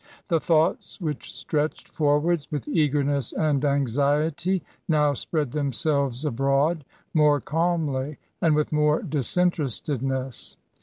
The thoughts which stretched forwards, with eagerness and anxiety, now spread themselves abroad, more calmly and with more disinterestedness.